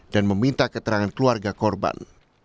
dan meminta keterangan keluarga korban